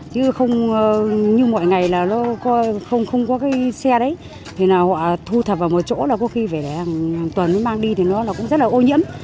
chứ không như mọi ngày là không có cái xe đấy thì họ thu thập vào một chỗ là có khi về một tuần mới mang đi thì nó cũng rất là ô nhiễm